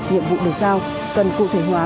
nhiệm vụ được sao cần cụ thể hóa